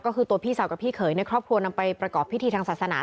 ก็คือตัวพี่สาวกับพี่เขยในครอบครัวนำไปประกอบพิธีทางศาสนา